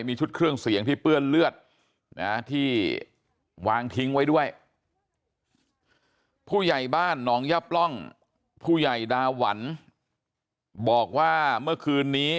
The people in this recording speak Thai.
มีชุดเครื่องเสียงที่เปื้อนเลือดนะที่วางทิ้งไว้ด้วยผู้ใหญ่บ้านหนองยับร่องผู้ใหญ่ดาหวันบอกว่าเมื่อคืนนี้